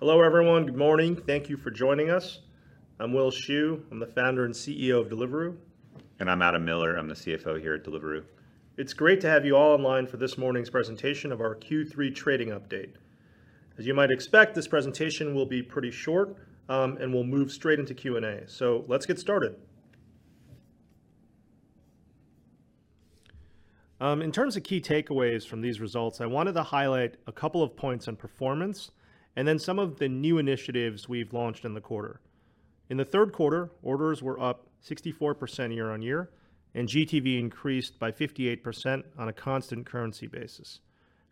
Hello everyone. Good morning. Thank you for joining us. I'm Will Shu, I'm the Founder and CEO of Deliveroo. I'm Adam Miller, I'm the CFO here at Deliveroo. It's great to have you all online for this morning's presentation of our Q3 trading update. As you might expect, this presentation will be pretty short, and we'll move straight into Q&A. Let's get started. In terms of key takeaways from these results, I wanted to highlight a couple of points on performance and then some of the new initiatives we've launched in the quarter. In the third quarter, orders were up 64% year-on-year, and GTV increased by 58% on a constant currency basis.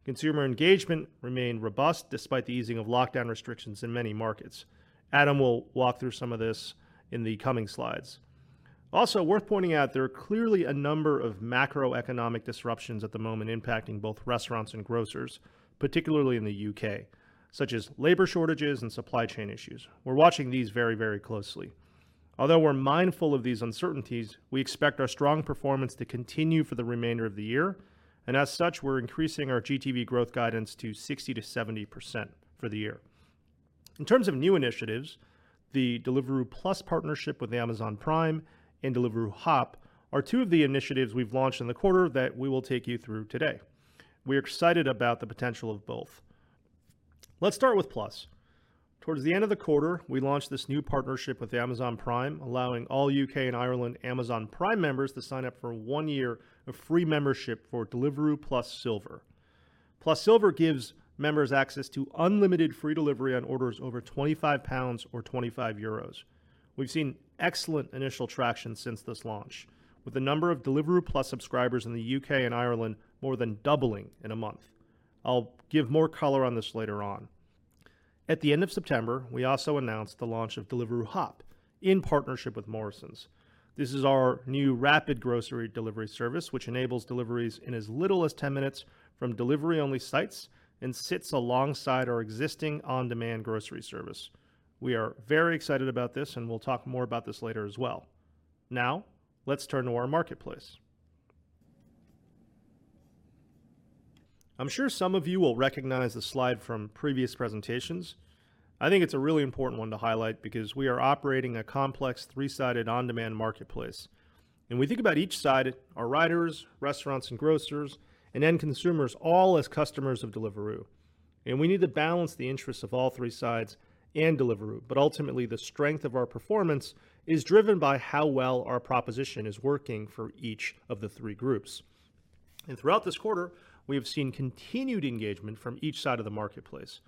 Consumer engagement remained robust despite the easing of lockdown restrictions in many markets. Adam will walk through some of this in the coming slides. Also worth pointing out, there are clearly a number of macroeconomic disruptions at the moment impacting both restaurants and grocers, particularly in the U.K., such as labor shortages and supply chain issues. We're watching these very closely. Although we're mindful of these uncertainties, we expect our strong performance to continue for the remainder of the year. As such, we're increasing our GTV growth guidance to 60%-70% for the year. In terms of new initiatives, the Deliveroo Plus partnership with Amazon Prime and Deliveroo HOP are two of the initiatives we've launched in the quarter that we will take you through today. We're excited about the potential of both. Let's start with Plus. Towards the end of the quarter, we launched this new partnership with Amazon Prime, allowing all U.K. and Ireland Amazon Prime members to sign up for one year of free membership for Deliveroo Plus Silver. Plus Silver gives members access to unlimited free delivery on orders over 25 pounds or 25 euros. We've seen excellent initial traction since this launch, with the number of Deliveroo Plus subscribers in the U.K. and Ireland more than doubling in a month. I'll give more color on this later on. At the end of September, we also announced the launch of Deliveroo HOP in partnership with Morrisons. This is our new rapid grocery delivery service, which enables deliveries in as little as 10 minutes from delivery-only sites and sits alongside our existing on-demand grocery service. We are very excited about this, and we'll talk more about this later as well. Let's turn to our marketplace. I'm sure some of you will recognize the slide from previous presentations. I think it's a really important one to highlight because we are operating a complex three-sided on-demand marketplace. We think about each side, our riders, restaurants and grocers, and end consumers, all as customers of Deliveroo. We need to balance the interests of all three sides and Deliveroo. Ultimately, the strength of our performance is driven by how well our proposition is working for each of the three groups. Throughout this quarter, we have seen continued engagement from each side of the marketplace.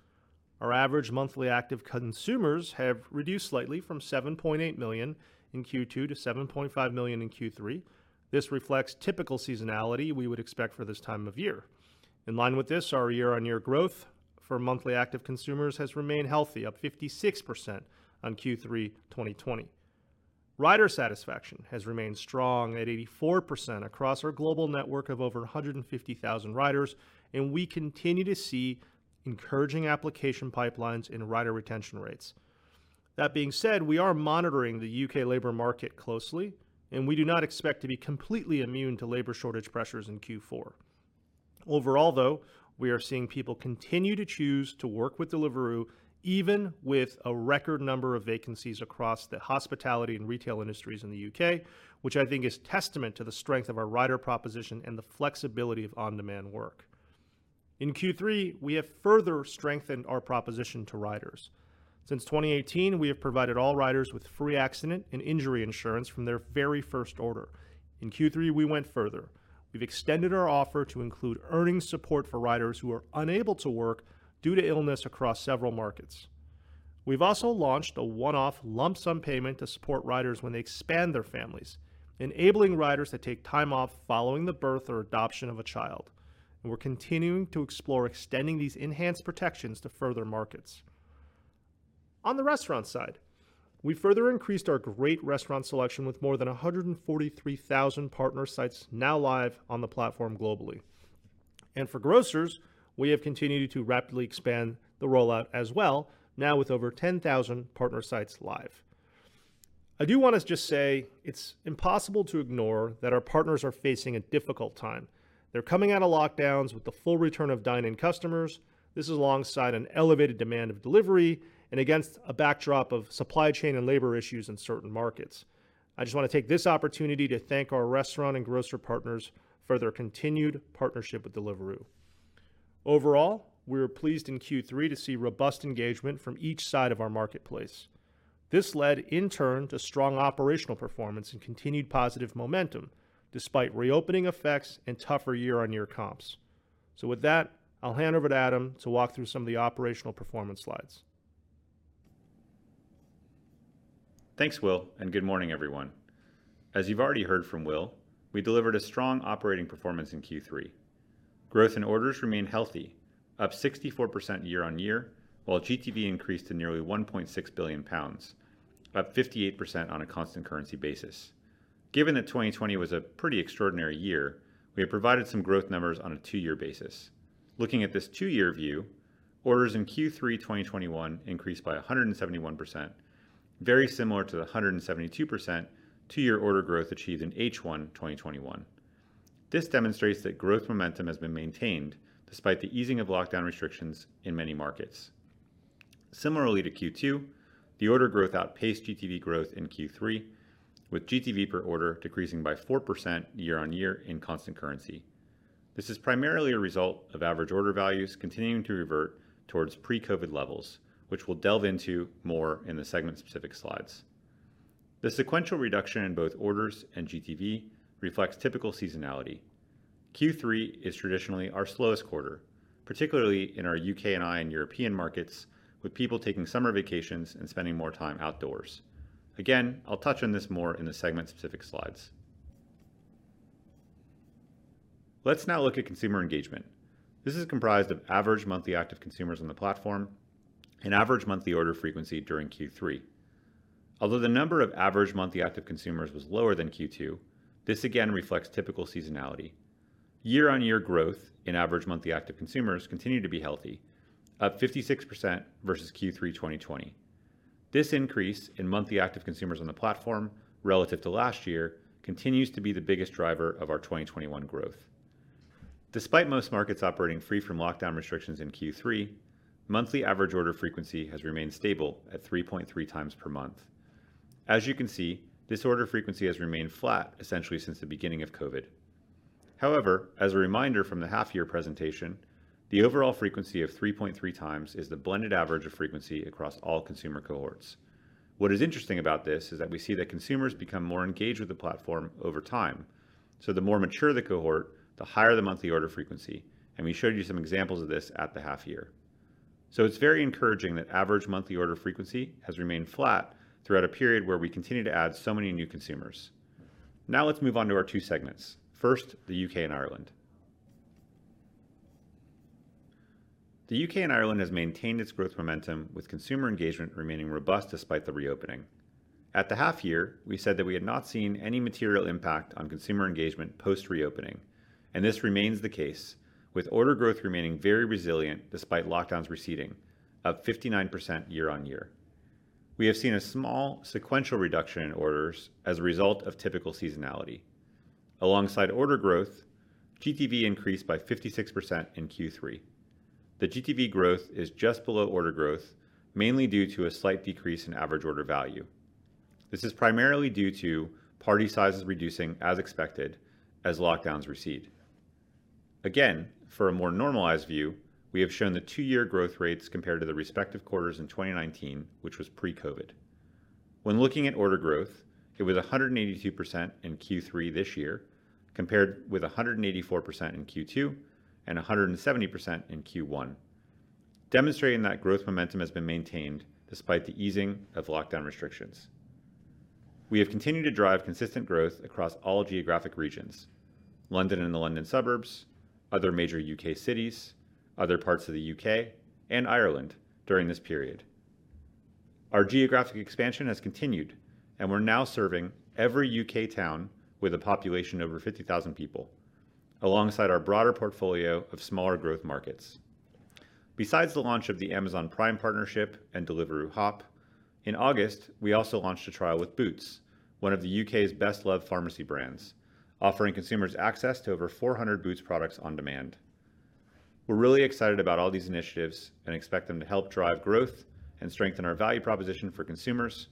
Our average monthly active consumers have reduced slightly from 7.8 million in Q2 to 7.5 million in Q3. This reflects typical seasonality we would expect for this time of year. In line with this, our year-on-year growth for monthly active consumers has remained healthy, up 56% on Q3 2020. Rider satisfaction has remained strong at 84% across our global network of over 150,000 riders, and we continue to see encouraging application pipelines in rider retention rates. That being said, we are monitoring the U.K. labor market closely, and we do not expect to be completely immune to labor shortage pressures in Q4. Overall, though, we are seeing people continue to choose to work with Deliveroo, even with a record number of vacancies across the hospitality and retail industries in the U.K., which I think is testament to the strength of our rider proposition and the flexibility of on-demand work. In Q3, we have further strengthened our proposition to riders. Since 2018, we have provided all riders with free accident and injury insurance from their very first order. In Q3, we went further. We've extended our offer to include earnings support for riders who are unable to work due to illness across several markets. We've also launched a one-off lump sum payment to support riders when they expand their families, enabling riders to take time off following the birth or adoption of a child. We're continuing to explore extending these enhanced protections to further markets. On the restaurant side, we further increased our great restaurant selection with more than 143,000 partner sites now live on the platform globally. For grocers, we have continued to rapidly expand the rollout as well, now with over 10,000 partner sites live. I do want to just say, it's impossible to ignore that our partners are facing a difficult time. They're coming out of lockdowns with the full return of dine-in customers. This is alongside an elevated demand of delivery and against a backdrop of supply chain and labor issues in certain markets. I just want to take this opportunity to thank our restaurant and grocer partners for their continued partnership with Deliveroo. Overall, we were pleased in Q3 to see robust engagement from each side of our marketplace. This led, in turn, to strong operational performance and continued positive momentum, despite reopening effects and tougher year-on-year comps. With that, I'll hand over to Adam to walk through some of the operational performance slides. Thanks, Will, good morning, everyone. As you've already heard from Will, we delivered a strong operating performance in Q3. Growth in orders remained healthy, up 64% year-on-year, while GTV increased to nearly 1.6 billion pounds, up 58% on a constant currency basis. Given that 2020 was a pretty extraordinary year, we have provided some growth numbers on a two-year basis. Looking at this two-year view, orders in Q3 2021 increased by 171%, very similar to the 172% two-year order growth achieved in H1 2021. This demonstrates that growth momentum has been maintained despite the easing of lockdown restrictions in many markets. Similarly to Q2, the order growth outpaced GTV growth in Q3, with GTV per order decreasing by 4% year-on-year in constant currency. This is primarily a result of average order values continuing to revert towards pre-COVID levels, which we'll delve into more in the segment-specific slides. The sequential reduction in both orders and GTV reflects typical seasonality. Q3 is traditionally our slowest quarter, particularly in our U.K.I., and European markets, with people taking summer vacations and spending more time outdoors. Again, I'll touch on this more in the segment-specific slides. Let's now look at consumer engagement. This is comprised of average monthly active consumers on the platform and average monthly order frequency during Q3. Although the number of average monthly active consumers was lower than Q2, this again reflects typical seasonality. Year-on-year growth in average monthly active consumers continued to be healthy, up 56% versus Q3 2020. This increase in monthly active consumers on the platform relative to last year continues to be the biggest driver of our 2021 growth. Despite most markets operating free from lockdown restrictions in Q3, monthly average order frequency has remained stable at 3.3x per month. As you can see, this order frequency has remained flat essentially since the beginning of COVID. As a reminder from the half year presentation, the overall frequency of 3.3x is the blended average of frequency across all consumer cohorts. What is interesting about this is that we see that consumers become more engaged with the platform over time. The more mature the cohort, the higher the monthly order frequency, and we showed you some examples of this at the half year. It's very encouraging that average monthly order frequency has remained flat throughout a period where we continue to add so many new consumers. Let's move on to our two segments. First, the U.K. and Ireland. The U.K. and Ireland has maintained its growth momentum, with consumer engagement remaining robust despite the reopening. At the half year, we said that we had not seen any material impact on consumer engagement post reopening, and this remains the case, with order growth remaining very resilient despite lockdowns receding, up 59% year-on-year. We have seen a small sequential reduction in orders as a result of typical seasonality. Alongside order growth, GTV increased by 56% in Q3. The GTV growth is just below order growth, mainly due to a slight decrease in average order value. This is primarily due to party sizes reducing as expected as lockdowns recede. Again, for a more normalized view, we have shown the two-year growth rates compared to the respective quarters in 2019, which was pre-COVID. When looking at order growth, it was 182% in Q3 this year, compared with 184% in Q2 and 170% in Q1, demonstrating that growth momentum has been maintained despite the easing of lockdown restrictions. We have continued to drive consistent growth across all geographic regions, London and the London suburbs, other major U.K. cities, other parts of the U.K., and Ireland during this period. Our geographic expansion has continued, and we're now serving every U.K. town with a population over 50,000 people, alongside our broader portfolio of smaller growth markets. Besides the launch of the Amazon Prime partnership and Deliveroo HOP, in August, we also launched a trial with Boots, one of the U.K.'s best-loved pharmacy brands, offering consumers access to over 400 Boots products on demand. We're really excited about all these initiatives and expect them to help drive growth and strengthen our value proposition for consumers,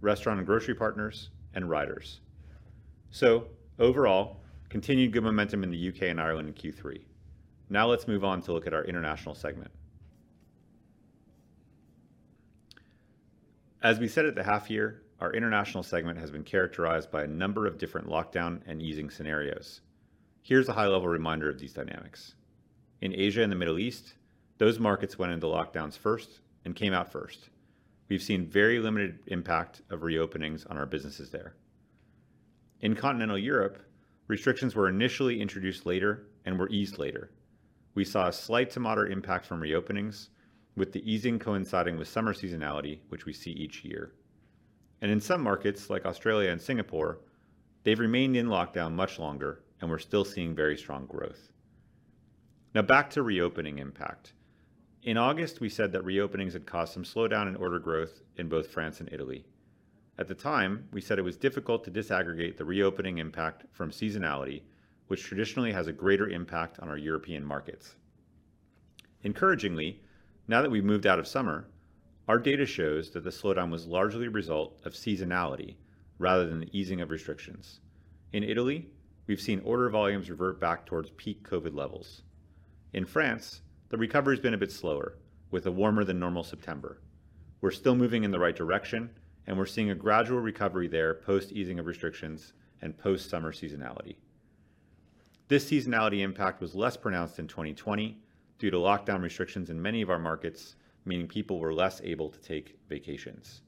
restaurant and grocery partners, and riders. Overall, continued good momentum in the U.K. and Ireland in Q3. Let's move on to look at our international segment. As we said at the half year, our international segment has been characterized by a number of different lockdown and easing scenarios. Here's a high-level reminder of these dynamics. In Asia and the Middle East, those markets went into lockdowns first and came out first. We've seen very limited impact of reopenings on our businesses there. In continental Europe, restrictions were initially introduced later and were eased later. We saw a slight to moderate impact from reopenings, with the easing coinciding with summer seasonality, which we see each year. In some markets, like Australia and Singapore, they've remained in lockdown much longer, and we're still seeing very strong growth. Back to reopening impact. In August, we said that reopenings had caused some slowdown in order growth in both France and Italy. At the time, we said it was difficult to disaggregate the reopening impact from seasonality, which traditionally has a greater impact on our European markets. Encouragingly, now that we've moved out of summer, our data shows that the slowdown was largely a result of seasonality rather than the easing of restrictions. In Italy, we've seen order volumes revert back towards peak COVID levels. In France, the recovery has been a bit slower, with a warmer than normal September. We're still moving in the right direction, and we're seeing a gradual recovery there post easing of restrictions and post summer seasonality. This seasonality impact was less pronounced in 2020 due to lockdown restrictions in many of our markets, meaning people were less able to take vacations.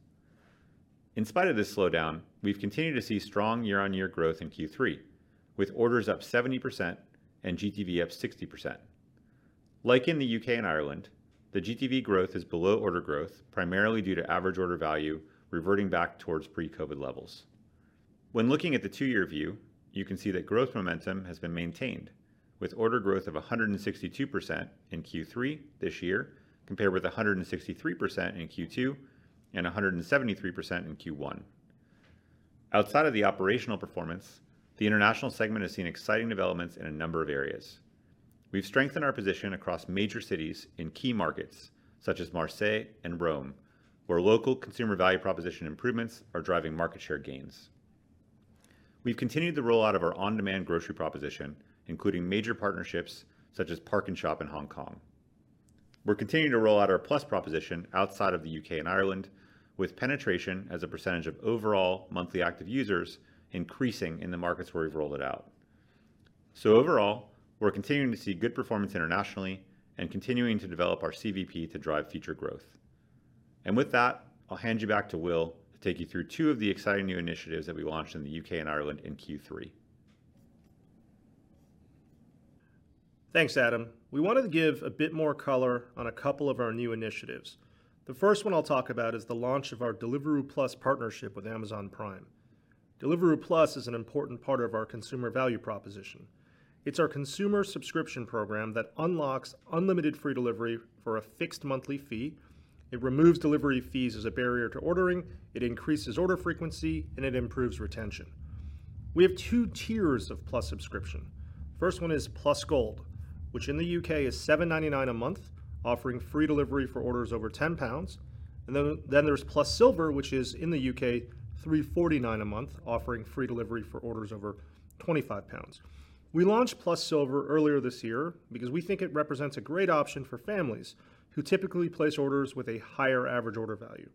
In spite of this slowdown, we've continued to see strong year-over-year growth in Q3, with orders up 70% and GTV up 60%. Like in the U.K. and Ireland, the GTV growth is below order growth, primarily due to average order value reverting back towards pre-COVID levels. When looking at the two-year view, you can see that growth momentum has been maintained. With order growth of 162% in Q3 this year, compared with 163% in Q2 and 173% in Q1. Outside of the operational performance, the international segment has seen exciting developments in a number of areas. We've strengthened our position across major cities in key markets such as Marseille and Rome, where local consumer value proposition improvements are driving market share gains. We've continued the rollout of our on-demand grocery proposition, including major partnerships such as PARKnSHOP in Hong Kong. We're continuing to roll out our Plus proposition outside of the U.K. and Ireland, with penetration as a percentage of overall monthly active users increasing in the markets where we've rolled it out. Overall, we're continuing to see good performance internationally and continuing to develop our CVP to drive future growth. With that, I'll hand you back to Will to take you through to of the exciting new initiatives that we launched in the U.K. and Ireland in Q3. Thanks, Adam. We wanted to give a bit more color on a couple of our new initiatives. The first one I'll talk about is the launch of our Deliveroo Plus partnership with Amazon Prime. Deliveroo Plus is an important part of our consumer value proposition. It's our consumer subscription program that unlocks unlimited free delivery for a fixed monthly fee. It removes delivery fees as a barrier to ordering, it increases order frequency, and it improves retention. We have two tiers of Plus subscription. First one is Plus Gold, which in the U.K. is 7.99 a month, offering free delivery for orders over 10 pounds. Then there's Plus Silver, which is, in the U.K., 3.49 a month, offering free delivery for orders over 25 pounds. We launched Plus Silver earlier this year because we think it represents a great option for families who typically place orders with a higher average order value.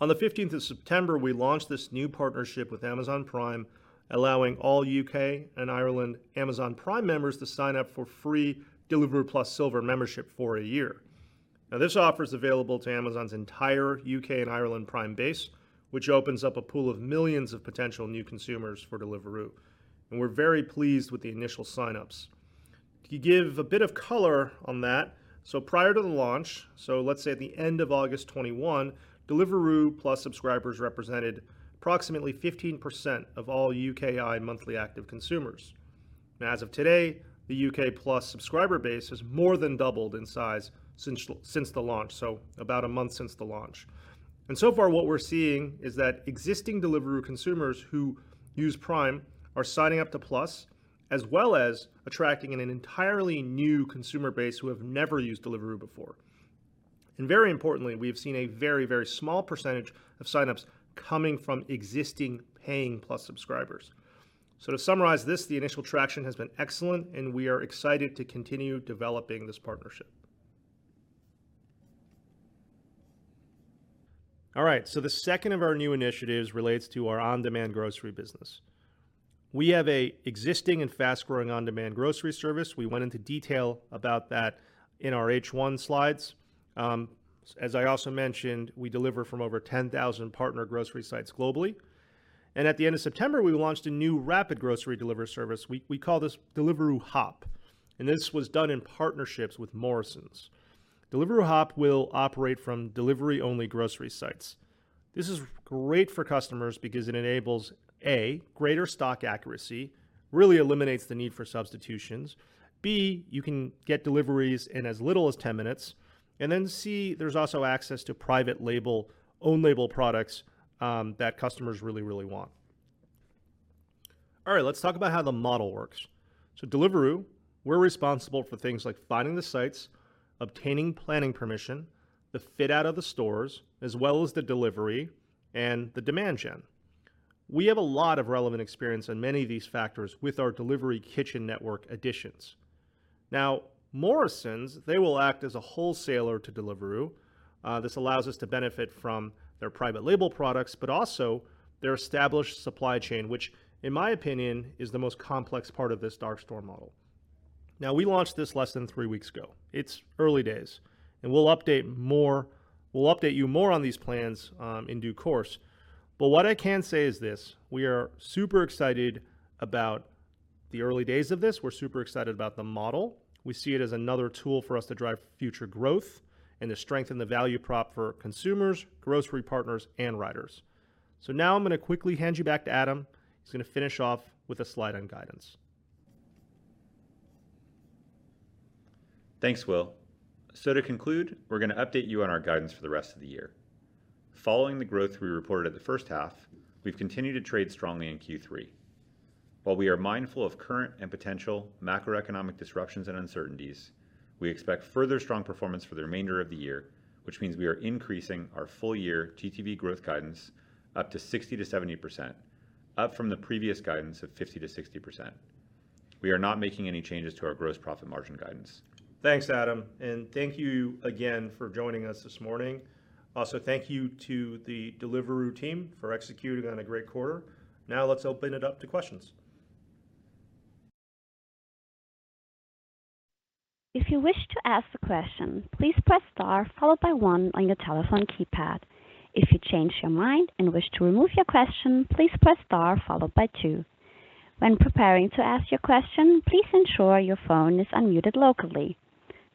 On the 15th of September, we launched this new partnership with Amazon Prime, allowing all U.K. and Ireland Amazon Prime members to sign up for free Deliveroo Plus Silver membership for a year. This offer is available to Amazon's entire U.K. and Ireland Prime base, which opens up a pool of millions of potential new consumers for Deliveroo, and we're very pleased with the initial signups. To give a bit of color on that, prior to the launch, let's say at the end of August 2021, Deliveroo Plus subscribers represented approximately 15% of all U.K.I. monthly active consumers. As of today, the U.K. Plus subscriber base has more than doubled in size since the launch, so about a month since the launch. So far what we're seeing is that existing Deliveroo consumers who use Prime are signing up to Plus, as well as attracting an entirely new consumer base who have never used Deliveroo before. Very importantly, we have seen a very small percentage of signups coming from existing paying Plus subscribers. To summarize this, the initial traction has been excellent, and we are excited to continue developing this partnership. The second of our new initiatives relates to our on-demand grocery business. We have an existing and fast-growing on-demand grocery service. We went into detail about that in our H1 slides. As I also mentioned, we deliver from over 10,000 partner grocery sites globally. At the end of September, we launched a new rapid grocery delivery service. We call this Deliveroo HOP, and this was done in partnerships with Morrisons. Deliveroo HOP will operate from delivery-only grocery sites. This is great for customers because it enables, A, greater stock accuracy, really eliminates the need for substitutions. B, you can get deliveries in as little as 10 minutes. C, there's also access to private label, own label products that customers really want. All right, let's talk about how the model works. Deliveroo, we're responsible for things like finding the sites, obtaining planning permission, the fit out of the stores, as well as the delivery and the demand gen. We have a lot of relevant experience in many of these factors with our delivery kitchen network additions. Morrisons, they will act as a wholesaler to Deliveroo. This allows us to benefit from their private label products, but also their established supply chain, which in my opinion is the most complex part of this dark store model. We launched this less than three weeks ago. It's early days. We'll update you more on these plans in due course. What I can say is this. We are super excited about the early days of this. We're super excited about the model. We see it as another tool for us to drive future growth and to strengthen the value prop for consumers, grocery partners, and riders. Now I'm going to quickly hand you back to Adam, who's going to finish off with a slide on guidance. Thanks, Will. To conclude, we're going to update you on our guidance for the rest of the year. Following the growth we reported at the first half, we've continued to trade strongly in Q3. While we are mindful of current and potential macroeconomic disruptions and uncertainties, we expect further strong performance for the remainder of the year, which means we are increasing our full year GTV growth guidance up to 60%-70%, up from the previous guidance of 50%-60%. We are not making any changes to our gross profit margin guidance. Thanks, Adam, and thank you again for joining us this morning. Also, thank you to the Deliveroo team for executing on a great quarter. Now let's open it up to questions.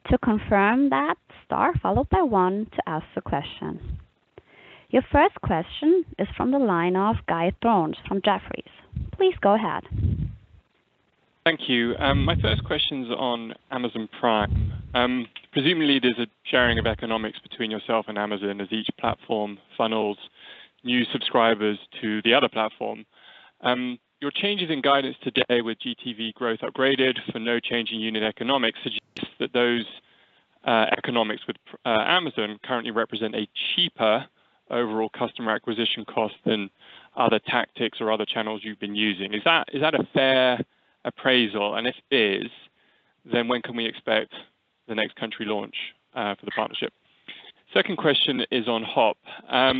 Your first question is from the line of Giles Thorne from Jefferies. Please go ahead. Thank you. My first question's on Amazon Prime. Presumably, there's a sharing of economics between yourself and Amazon as each platform funnels new subscribers to the other platform. Your changes in guidance today with GTV growth upgraded for no change in unit economics suggests that those economics with Amazon currently represent a cheaper overall customer acquisition cost than other tactics or other channels you've been using. Is that a fair appraisal? If it is, then when can we expect the next country launch for the partnership? Second question is on HOP. As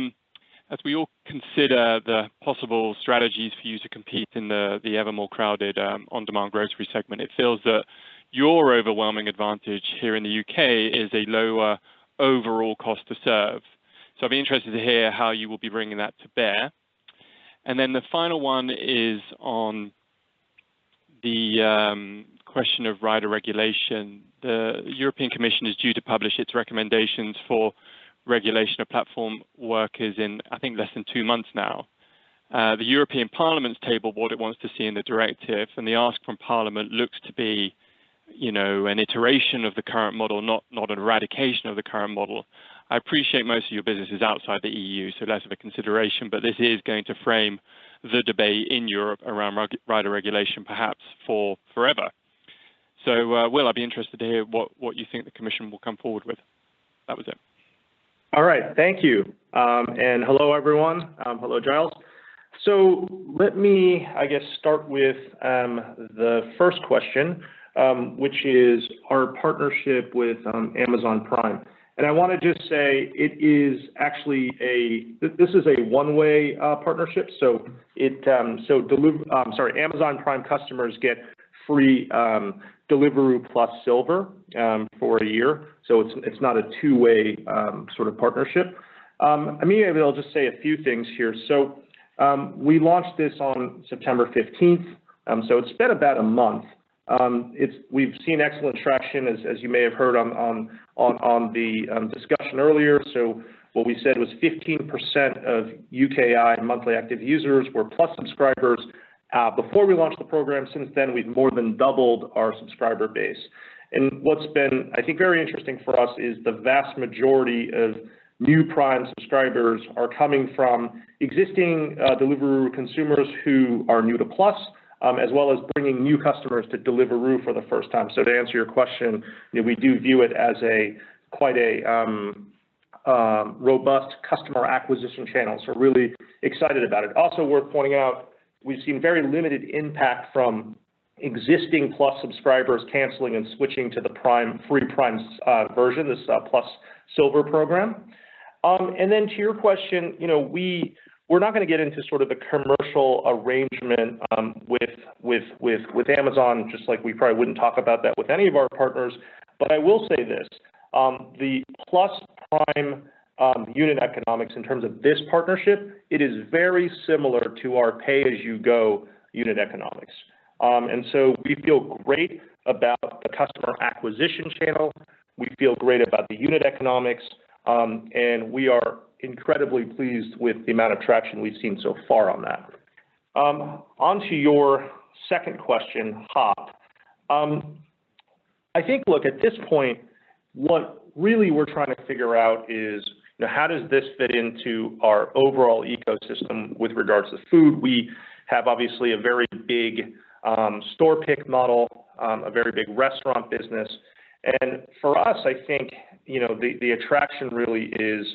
we all consider the possible strategies for you to compete in the ever more crowded on-demand grocery segment, it feels that your overwhelming advantage here in the U.K. is a lower overall cost to serve. I'd be interested to hear how you will be bringing that to bear. Then the final one is on the question of rider regulation. The European Commission is due to publish its recommendations for regulation of platform workers in, I think, less than two months now. The European Parliament's tabled what it wants to see in the directive, and the ask from Parliament looks to be an iteration of the current model, not an eradication of the current model. I appreciate most of your business is outside the E.U., so less of a consideration, but this is going to frame the debate in Europe around rider regulation, perhaps for forever. Will, I'd be interested to hear what you think the Commission will come forward with? That was it. All right. Thank you. Hello, everyone. Hello, Giles. Let me, I guess, start with the first question, which is our partnership with Amazon Prime. I want to just say, this is a one-way partnership. Amazon Prime customers get free Deliveroo Plus Silver for a year, so it's not a two-way sort of partnership. Maybe I'll just say a few things here. We launched this on September 15th, so it's been about a month. We've seen excellent traction, as you may have heard on the discussion earlier. What we said was 15% of U.K.I. monthly active users were Plus subscribers before we launched the program. Since then, we've more than doubled our subscriber base. What's been, I think, very interesting for us is the vast majority of new Prime subscribers are coming from existing Deliveroo consumers who are new to Plus, as well as bringing new customers to Deliveroo for the first time. To answer your question, we do view it as quite a robust customer acquisition channel. Really excited about it. Also worth pointing out, we've seen very limited impact from existing Plus subscribers canceling and switching to the free Prime version, this Plus Silver program. To your question, we're not going to get into sort of the commercial arrangement with Amazon, just like we probably wouldn't talk about that with any of our partners. I will say this, the Plus Prime unit economics in terms of this partnership, it is very similar to our pay-as-you-go unit economics. We feel great about the customer acquisition channel. We feel great about the unit economics, and we are incredibly pleased with the amount of traction we've seen so far on that. Onto your second question, HOP. I think, look, at this point, what really we're trying to figure out is how does this fit into our overall ecosystem with regards to food? We have obviously a very big store pick model, a very big restaurant business. For us, I think, the attraction really is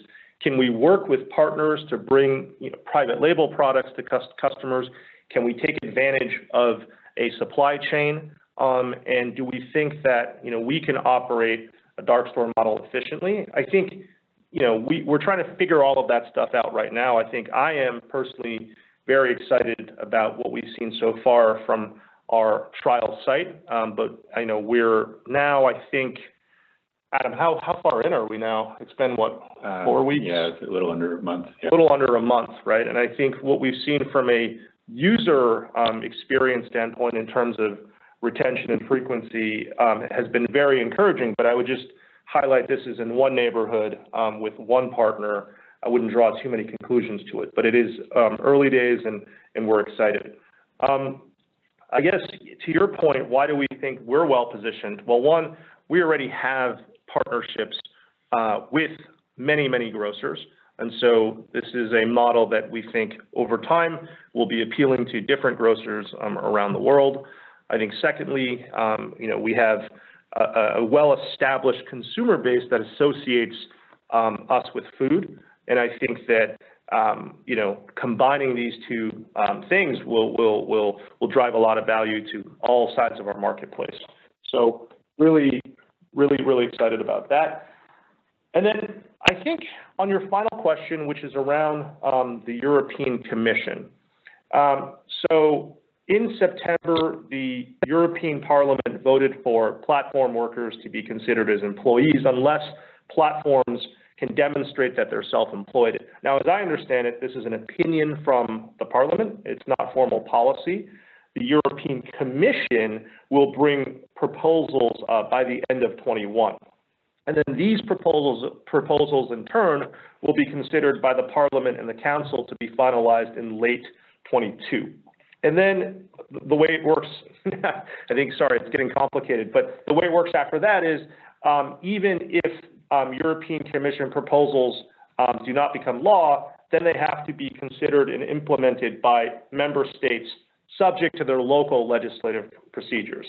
can we work with partners to bring private label products to customers? Can we take advantage of a supply chain? Do we think that we can operate a dark store model efficiently? I think we're trying to figure all of that stuff out right now. I think I am personally very excited about what we've seen so far from our trial site. I know we're now, I think, Adam, how far in are we now? It's been what, four weeks? Yeah, it's a little under a month. Yeah. A little under a month, right? I think what we've seen from a user experience standpoint in terms of retention and frequency has been very encouraging, but I would just highlight this is in one neighborhood with one partner. I wouldn't draw too many conclusions to it, but it is early days and we're excited. I guess, to your point, why do we think we're well-positioned? Well, one, we already have partnerships with many, many grocers, and so this is a model that we think over time will be appealing to different grocers around the world. I think secondly, we have a well-established consumer base that associates us with food, and I think that combining these two things will drive a lot of value to all sides of our marketplace. Really, really excited about that. I think on your final question, which is around the European Commission. In September, the European Parliament voted for platform workers to be considered as employees unless platforms can demonstrate that they're self-employed. As I understand it, this is an opinion from the Parliament. It's not formal policy. The European Commission will bring proposals by the end of 2021. These proposals, in turn, will be considered by the Parliament and the Council to be finalized in late 2022. The way it works, I think, sorry, it's getting complicated. The way it works after that is, even if European Commission proposals do not become law, they have to be considered and implemented by member states subject to their local legislative procedures.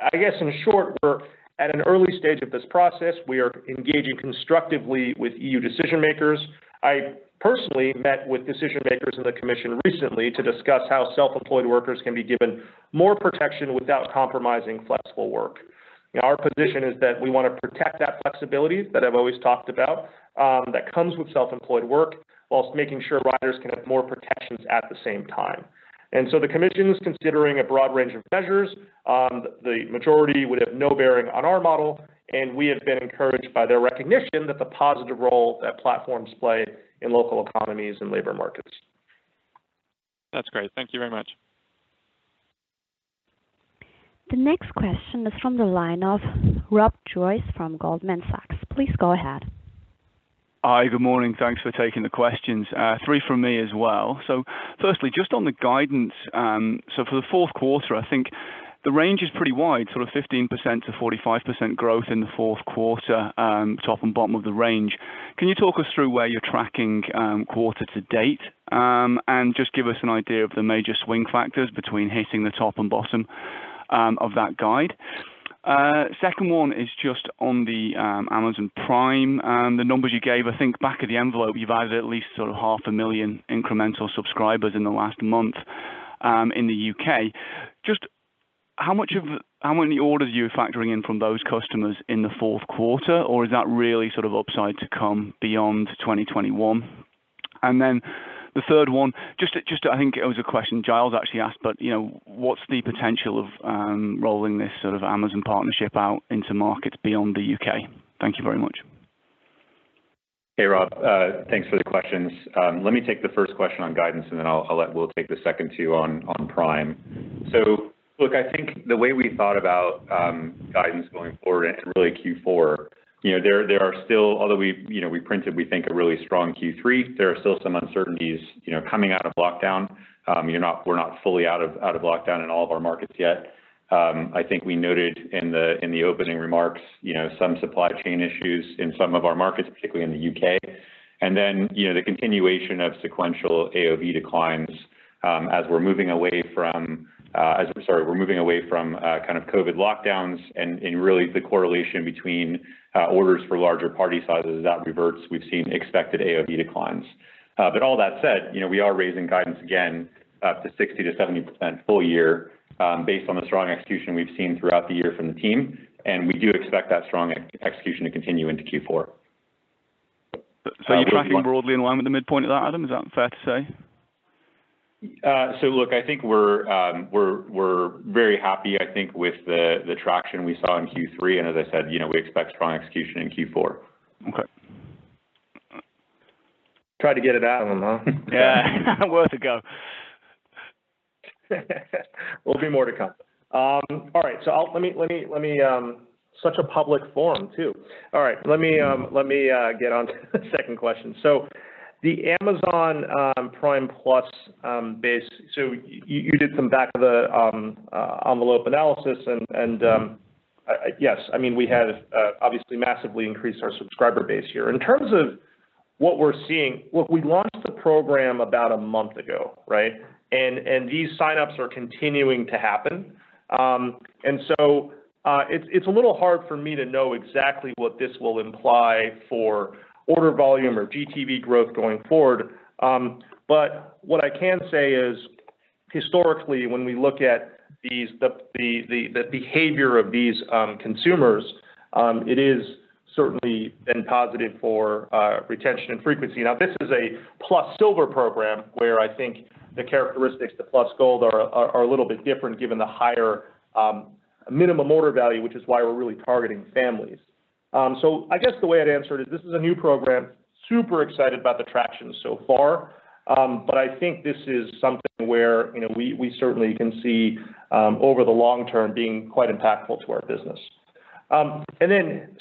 I guess, in short, we're at an early stage of this process. We are engaging constructively with E.U. decision-makers. I personally met with decision-makers in the Commission recently to discuss how self-employed workers can be given more protection without compromising flexible work. Our position is that we want to protect that flexibility, that I've always talked about, that comes with self-employed work, while making sure riders can have more protections at the same time. The Commission is considering a broad range of measures. The majority would have no bearing on our model, and we have been encouraged by their recognition that the positive role that platforms play in local economies and labor markets. That's great. Thank you very much. The next question is from the line of Rob Joyce from Goldman Sachs. Please go ahead. Hi. Good morning. Thanks for taking the questions. Three from me as well. Firstly, just on the guidance. For the fourth quarter, I think the range is pretty wide, 15%-45% growth in the fourth quarter, top and bottom of the range. Can you talk us through where you're tracking quarter to date? Just give us an idea of the major swing factors between hitting the top and bottom of that guide. Second one is just on the Amazon Prime, the numbers you gave, I think back of the envelope, you've added at least sort of half a million incremental subscribers in the last month in the U.K. Just how many orders are you factoring in from those customers in the fourth quarter? Or is that really sort of upside to come beyond 2021? Then the third one, just I think it was a question Giles actually asked, but what's the potential of rolling this sort of Amazon partnership out into markets beyond the U.K.? Thank you very much. Hey, Rob. Thanks for the questions. Let me take the first question on guidance, and then I'll let Will take the second two on Amazon Prime. Look, I think the way we thought about guidance going forward into really Q4, although we printed, we think, a really strong Q3, there are still some uncertainties coming out of lockdown. We're not fully out of lockdown in all of our markets yet. I think we noted in the opening remarks some supply chain issues in some of our markets, particularly in the U.K., and then the continuation of sequential AOV declines as we're moving away from kind of COVID lockdowns and really the correlation between orders for larger party sizes. As that reverts, we've seen expected AOV declines. All that said, we are raising guidance again up to 60%-70% full year, based on the strong execution we've seen throughout the year from the team, and we do expect that strong execution to continue into Q4. Are you tracking broadly in line with the midpoint of that, Adam, is that fair to say? Look, I think we're very happy, I think, with the traction we saw in Q3, and as I said, we expect strong execution in Q4. Okay. Tried to get it out of him, huh? Yeah. Worth a go. Will be more to come. All right. Such a public forum, too. All right. Let me get onto the second question. The Amazon Prime Plus base, you did some back of the envelope analysis and, yes. We have obviously massively increased our subscriber base here. In terms of what we're seeing, look, we launched the program about a month ago, right? These sign-ups are continuing to happen. It's a little hard for me to know exactly what this will imply for order volume or GTV growth going forward. What I can say is, historically, when we look at the behavior of these consumers, it is certainly been positive for retention and frequency. This is a Plus Silver program, where I think the characteristics to Plus Gold are a little bit different given the higher minimum order value, which is why we're really targeting families. I guess the way I'd answer it is this is a new program. Super excited about the traction so far. I think this is something where we certainly can see, over the long term, being quite impactful to our business.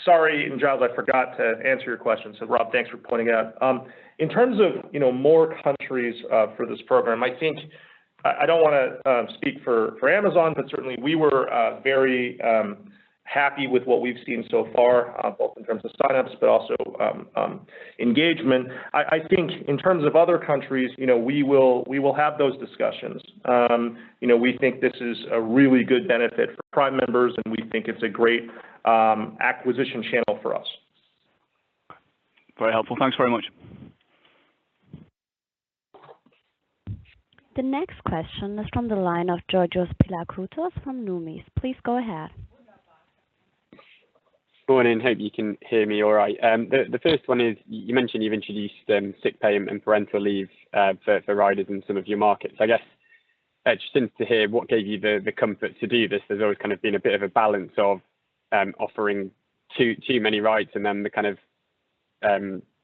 Sorry, Giles, I forgot to answer your question. Rob, thanks for pointing it out. In terms of more countries for this program, I don't want to speak for Amazon. Certainly, we were very happy with what we've seen so far, both in terms of sign-ups, also engagement. I think in terms of other countries, we will have those discussions. We think this is a really good benefit for Prime members, and we think it's a great acquisition channel for us. Very helpful. Thanks very much. The next question is from the line of Georgios Pilakoutas from Numis. Please go ahead. Morning. Hope you can hear me all right. The first one is, you mentioned you've introduced sick pay and parental leave for riders in some of your markets. I guess, interesting to hear what gave you the comfort to do this. There's always kind of been a bit of a balance of offering too many rights and then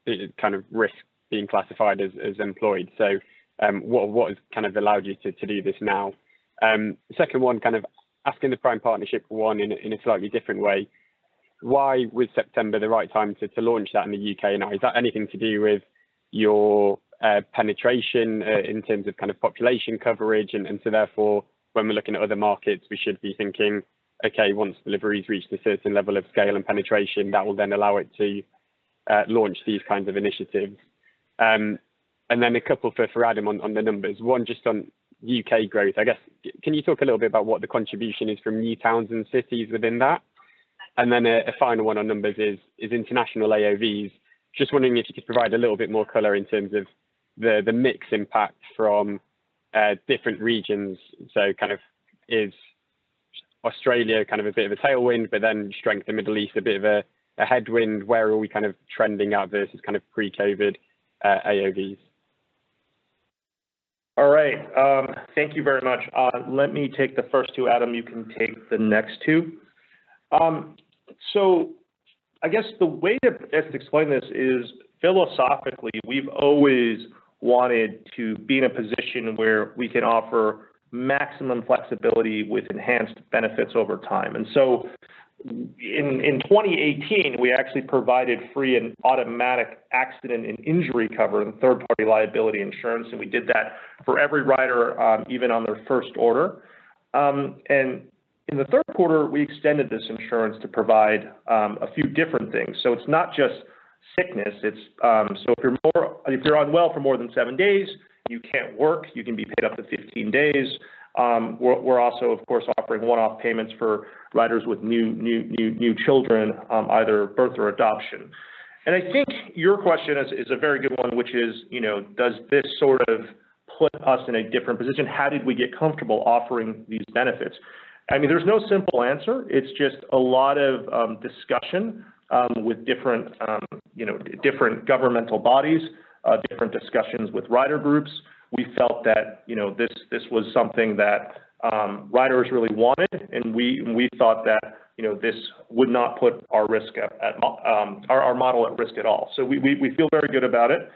It risks being classified as employed. What has allowed you to do this now? Second one, asking the Prime partnership one in a slightly different way, why was September the right time to launch that in the U.K. now? Is that anything to do with your penetration in terms of population coverage? Therefore when we're looking at other markets, we should be thinking, okay, once Deliveroo's reached a certain level of scale and penetration, that will then allow it to launch these kinds of initiatives. Then a couple for Adam on the numbers. One just on U.K. growth, I guess. Can you talk a little bit about what the contribution is from new towns and cities within that? Then a final one on numbers is international AOVs. Just wondering if you could provide a little bit more color in terms of the mix impact from different regions. Is Australia a bit of a tailwind, but then strength in Middle East a bit of a headwind? Where are we trending now versus pre-COVID AOVs? All right. Thank you very much. Let me take the first two, Adam, you can take the next two. I guess the way to best explain this is philosophically, we've always wanted to be in a position where we can offer maximum flexibility with enhanced benefits over time. In 2018, we actually provided free and automatic accident and injury cover, the third party liability insurance, and we did that for every rider, even on their first order. In the third quarter, we extended this insurance to provide a few different things. It's not just sickness, it's if you're unwell for more than seven days, you can't work, you can be paid up to 15 days. We're also, of course, offering one-off payments for riders with new children, either birth or adoption. I think your question is a very good one, which is, does this sort of put us in a different position? How did we get comfortable offering these benefits? I mean, there's no simple answer. It's just a lot of discussion, with different governmental bodies, different discussions with rider groups. We felt that this was something that riders really wanted, and we thought that this would not put our model at risk at all. We feel very good about it.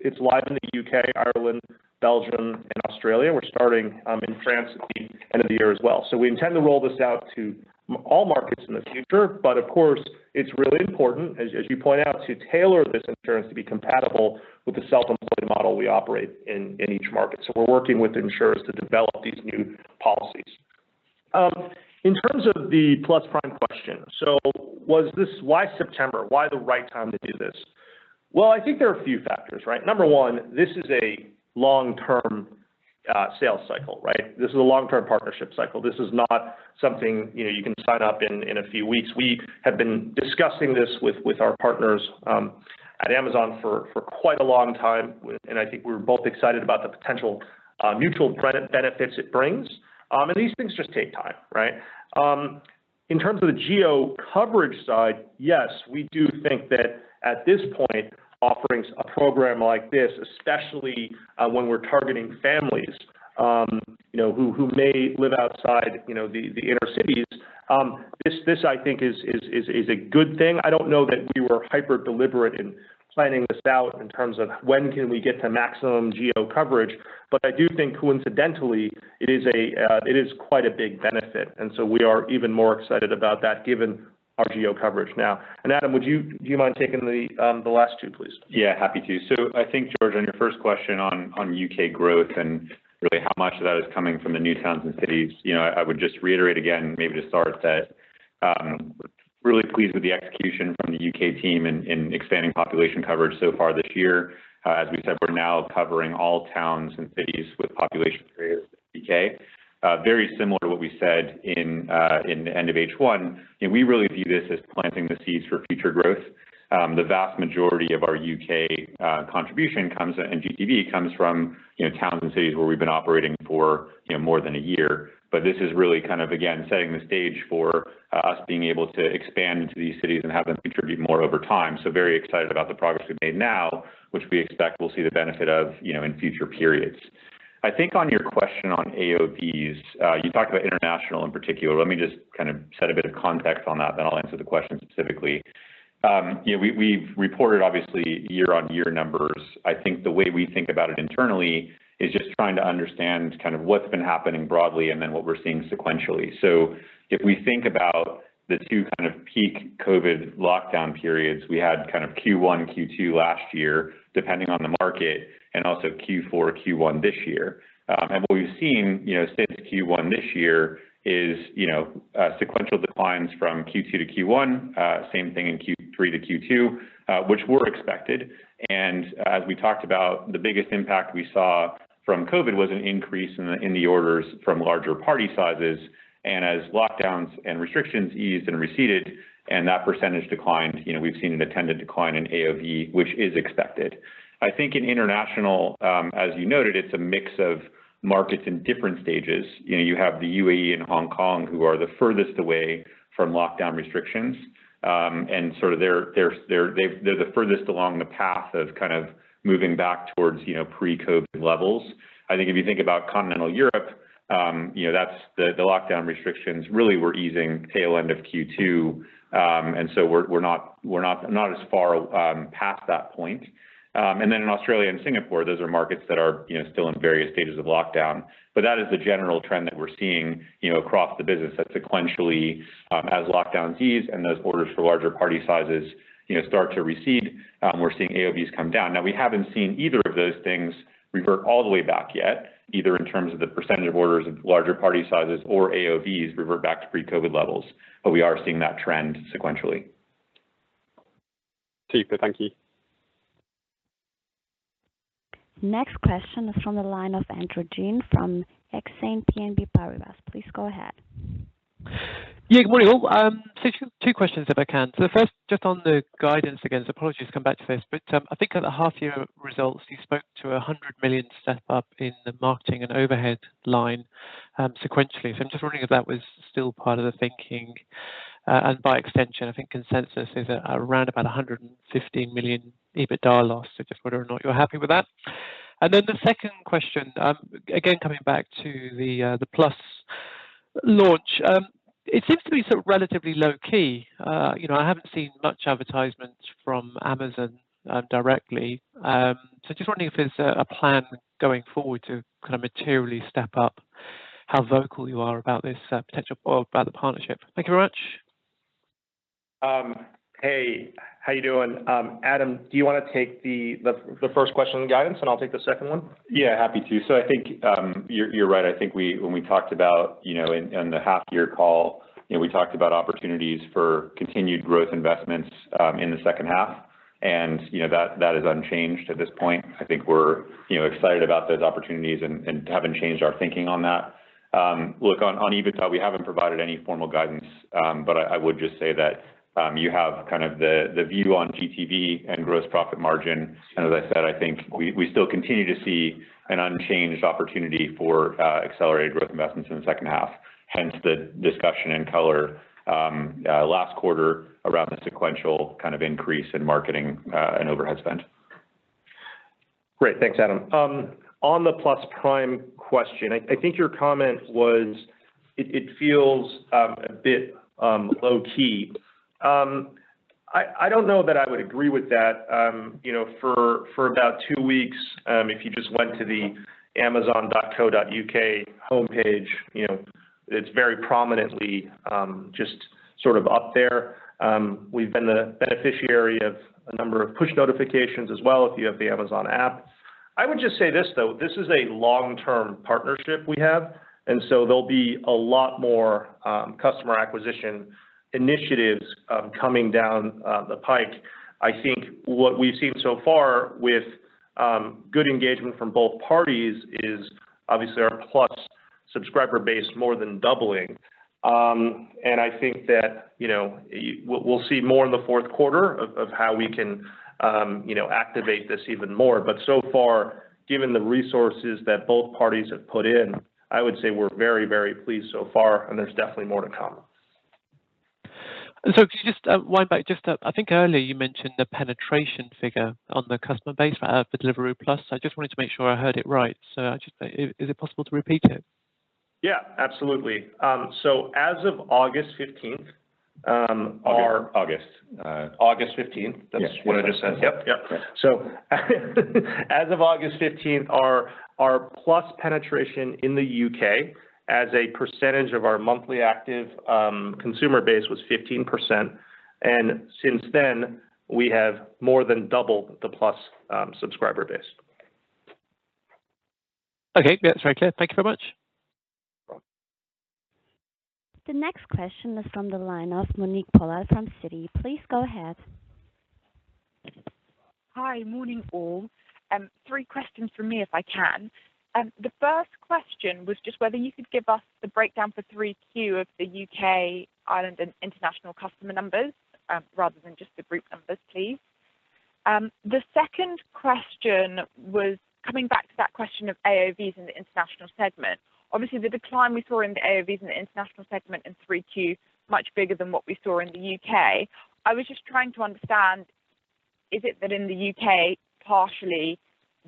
It's live in the U.K., Ireland, Belgium, and Australia. We're starting in France at the end of the year as well. We intend to roll this out to all markets in the future. Of course, it's really important, as you point out, to tailor this insurance to be compatible with the self-employed model we operate in each market. We're working with insurers to develop these new policies. In terms of the Plus Prime question. Why September? Why the right time to do this? Well, I think there are a few factors, right? Number one, this is a long-term sales cycle, right? This is a long-term partnership cycle. This is not something you can sign up in a few weeks. We have been discussing this with our partners, at Amazon for quite a long time. I think we're both excited about the potential mutual benefits it brings. These things just take time, right? In terms of the geo coverage side, yes, we do think that at this point, offering a program like this, especially when we're targeting families, who may live outside the inner cities, this, I think is a good thing. I don't know that we were hyper deliberate in planning this out in terms of when can we get to maximum geo coverage. I do think coincidentally it is quite a big benefit. We are even more excited about that given our geo coverage now. Adam, do you mind taking the last two, please? Yeah, happy to. I think, George, on your first question on U.K. growth and really how much of that is coming from the new towns and cities. I would just reiterate again, maybe to start, that really pleased with the execution from the U.K. team in expanding population coverage so far this year. As we said, we're now covering all towns and cities with population greater than 50,000. Very similar to what we said in the end of H1. We really view this as planting the seeds for future growth. The vast majority of our U.K. contribution comes, and GTV comes from towns and cities where we've been operating for more than one year. This is really kind of, again, setting the stage for us being able to expand into these cities and have them contribute more over time. Very excited about the progress we've made now, which we expect we'll see the benefit of in future periods. I think on your question on AOVs, you talked about international in particular. Let me just kind of set a bit of context on that, then I'll answer the question specifically. We've reported obviously year-over-year numbers. I think the way we think about it internally is just trying to understand what's been happening broadly and then what we're seeing sequentially. If we think about the two kind of peak COVID lockdown periods, we had kind of Q1 and Q2 last year, depending on the market, and also Q4, Q1 this year. What we've seen since Q1 this year is sequential declines from Q2 to Q1. Same thing in Q3 to Q2, which were expected. As we talked about, the biggest impact we saw from COVID was an increase in the orders from larger party sizes, and as lockdowns and restrictions eased and receded, and that percentage declined, we've seen an attendant decline in AOV, which is expected. I think in international, as you noted, it's a mix of markets in different stages. You have the U.A.E. and Hong Kong who are the furthest away from lockdown restrictions. Sort of they're the furthest along the path of kind of moving back towards pre-COVID levels. I think if you think about continental Europe. The lockdown restrictions really were easing tail end of Q2, and so we're not as far past that point. Then in Australia and Singapore, those are markets that are still in various stages of lockdown. That is the general trend that we're seeing, across the business that sequentially, as lockdowns ease and those orders for larger party sizes start to recede, we're seeing AOVs come down. We haven't seen either of those things revert all the way back yet, either in terms of the percentage of orders of larger party sizes or AOVs revert back to pre-COVID levels, but we are seeing that trend sequentially. Super. Thank you. Next question is from the line of Andrew Gwynn from Exane BNP Paribas. Please go ahead. Good morning, all. Two questions if I can. The first, just on the guidance again. Apologies to come back to this, but I think at the half year results, you spoke to a 100 million step-up in the marketing and overhead line, sequentially. I'm just wondering if that was still part of the thinking, and by extension, I think consensus is around about a 115 million EBITDA loss. Just whether or not you're happy with that. The second question, again coming back to the Plus launch. It seems to be sort of relatively low-key. I haven't seen much advertisement from Amazon directly. Just wondering if there's a plan going forward to materially step up how vocal you are about this potential or about the partnership? Thank you very much. Hey. How you doing? Adam, do you want to take the first question on guidance? I'll take the second one? Yeah, happy to. I think, you're right. I think when we talked about in the half-year call, we talked about opportunities for continued growth investments in the second half. That is unchanged at this point. I think we're excited about those opportunities, haven't changed our thinking on that. Look, on EBITDA, we haven't provided any formal guidance. I would just say that, you have the view on GTV and gross profit margin. As I said, I think we still continue to see an unchanged opportunity for accelerated growth investments in the second half, hence the discussion and color, last quarter around the sequential increase in marketing, and overhead spend. Great. Thanks, Adam. On the Plus Prime question, I think your comment was it feels a bit low-key. I don't know that I would agree with that. For about two weeks, if you just went to the amazon.co.uk homepage, it's very prominently, just sort of up there. We've been the beneficiary of a number of push notifications as well, if you have the Amazon app. I would just say this, though. This is a long-term partnership we have, and so there'll be a lot more customer acquisition initiatives coming down the pipe. I think what we've seen so far with good engagement from both parties is obviously our Plus subscriber base more than doubling. I think that we'll see more in the fourth quarter of how we can activate this even more. So far, given the resources that both parties have put in, I would say we're very pleased so far, and there's definitely more to come. Could you just wind back, I think earlier you mentioned the penetration figure on the customer base for Deliveroo Plus. I just wanted to make sure I heard it right, so is it possible to repeat it? Yeah, absolutely. As of August 15th. August. That's what you said. Yep. As of August 15th, our Plus penetration in the U.K. as a percentage of our monthly active consumer base was 15%, and since then, we have more than doubled the Plus subscriber base. Okay. That's very clear. Thank you very much. The next question is from the line of Monique Pollard from Citi. Please go ahead. Hi. Morning, all. Three questions from me, if I can. The first question was just whether you could give us the breakdown for Q3 of the U.K., Ireland, and international customer numbers, rather than just the group numbers, please? The second question was coming back to that question of AOVs in the international segment. Obviously, the decline we saw in the AOVs in the international segment in Q3 much bigger than what we saw in the U.K. I was just trying to understand, is it that in the U.K., partially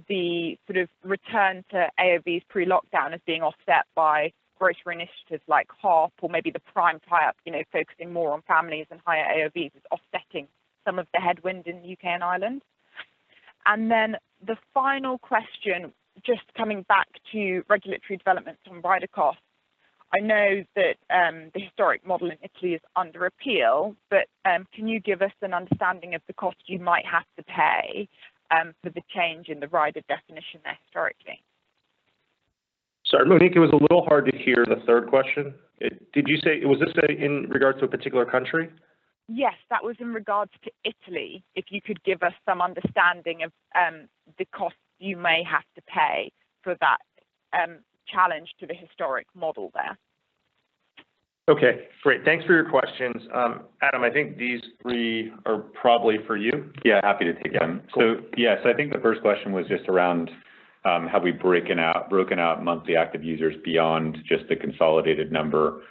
the sort of return to AOVs pre-lockdown as being offset by grocery initiatives like HOP or maybe the Prime tie-up, focusing more on families and higher AOVs is offsetting some of the headwind in the U.K. and Ireland? The final question, just coming back to regulatory developments from rider costs. I know that the historic model in Italy is under appeal, but can you give us an understanding of the cost you might have to pay, for the change in the rider definition there historically? Sorry, Monique, it was a little hard to hear the third question. Was this in regards to a particular country? Yes, that was in regards to Italy. If you could give us some understanding of the costs you may have to pay for that challenge to the historic model there? Okay, great. Thanks for your questions. Adam, I think these three are probably for you. Happy to take them. I think the first question was just around, have we broken out monthly active users beyond just the consolidated number?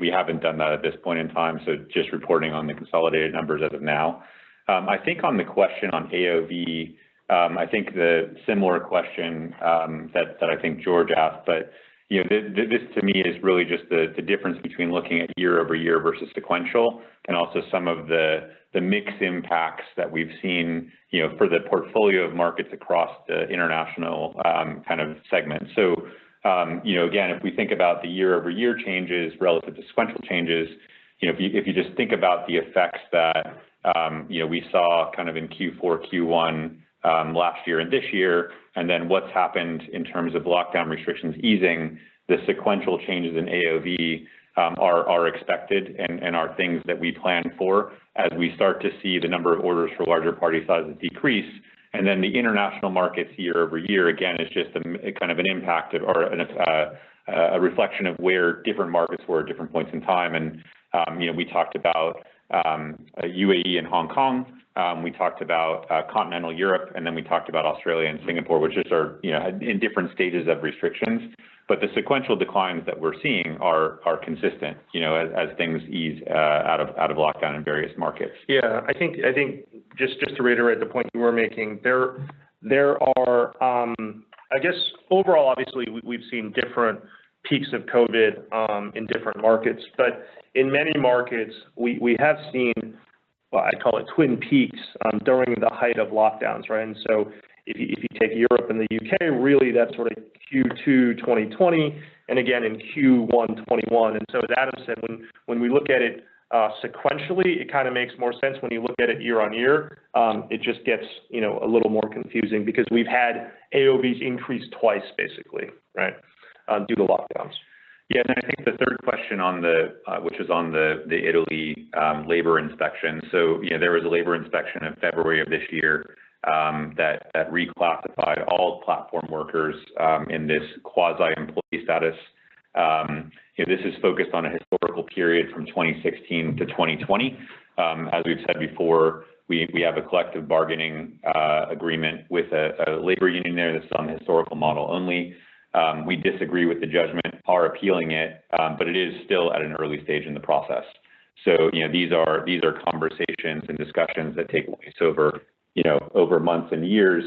We haven't done that at this point in time, so just reporting on the consolidated numbers as of now. I think on the question on AOV, I think the similar question that I think George asked, but this to me is really just the difference between looking at year-over-year versus sequential and also some of the mix impacts that we've seen for the portfolio of markets across the international segment. Again, if we think about the year-over-year changes relative to sequential changes, if you just think about the effects that we saw in Q4, Q1 last year and this year, and then what's happened in terms of lockdown restrictions easing. The sequential changes in AOV are expected and are things that we plan for as we start to see the number of orders for larger party sizes decrease. The international markets year-over-year, again, is just an impact or a reflection of where different markets were at different points in time. We talked about U.A.E., and Hong Kong. We talked about continental Europe, and then we talked about Australia and Singapore, which just are in different stages of restrictions. The sequential declines that we're seeing are consistent, as things ease out of lockdown in various markets. I think just to reiterate the point you were making, there are, I guess overall, obviously, we've seen different peaks of COVID in different markets, but in many markets we have seen, well, I call it twin peaks, during the height of lockdowns. If you take Europe and the U.K., really that's sort of Q2 2020 and again in Q1 2021. That said, when we look at it sequentially, it kind of makes more sense. When you look at it year-on-year, it just gets a little more confusing because we've had AOVs increase twice, basically, due to lockdowns. I think the third question, which was on the Italy labor inspection. There was a labor inspection in February of this year that reclassified all platform workers in this quasi-employee status. This is focused on a historical period from 2016-2020. As we've said before, we have a collective bargaining agreement with a labor union there that's on the historical model only. We disagree with the judgment, are appealing it is still at an early stage in the process. These are conversations and discussions that take place over months and years.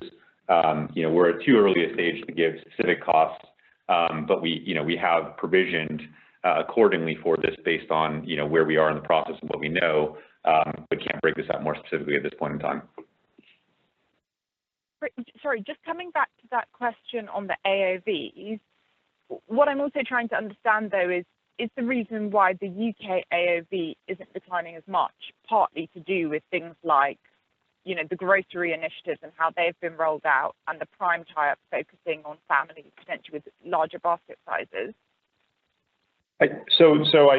We're at too early a stage to give specific costs, we have provisioned accordingly for this based on where we are in the process and what we know. Can't break this out more specifically at this point in time. Sorry, just coming back to that question on the AOVs. What I'm also trying to understand, though, is the reason why the U.K. AOV isn't declining as much, partly to do with things like the grocery initiatives and how they've been rolled out and the Prime tie-up focusing on families, potentially with larger basket sizes? I